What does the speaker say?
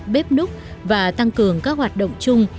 bếp nút và tăng cường các hoạt động chung